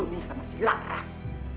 lagi racuni sama si laras